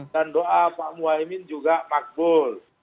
dan doa pak muhaimin juga makbul